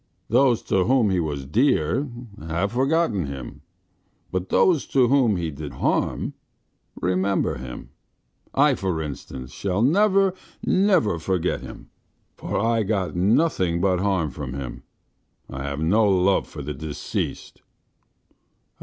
Those to whom he was dear have forgotten him, but those to whom he did harm remember him. I, for instance, shall never, never forget him, for I got nothing but harm from him. I have no love for the deceased."